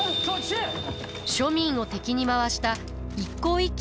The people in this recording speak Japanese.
庶民を敵に回した一向一揆との戦い。